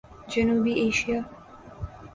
جنوبی ایشیا